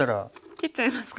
切っちゃいますか。